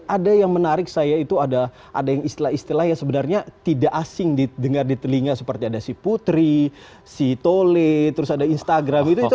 ada yang menarik saya itu ada yang istilah istilah yang sebenarnya tidak asing didengar di telinga seperti ada si putri si tole terus ada instagram itu